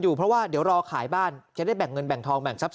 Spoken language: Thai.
อยู่เพราะว่าเดี๋ยวรอขายบ้านจะได้แบ่งเงินแบ่งทองแบ่งทรัพย